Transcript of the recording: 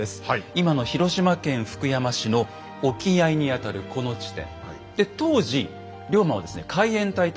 今の広島県福山市の沖合にあたるこの地点。